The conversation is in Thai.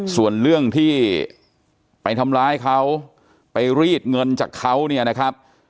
ส่วนเรื่องที่ไปทำร้ายเขาไปรีดเงินจากเขาเนี่ยนะครับ